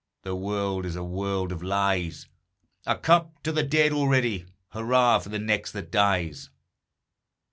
The world is a world of lies; A cup to the dead already Hurrah for the next that dies!